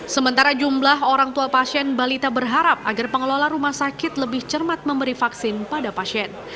sementara jumlah orang tua pasien balita berharap agar pengelola rumah sakit lebih cermat memberi vaksin pada pasien